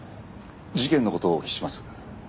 事件の事をお聞きします。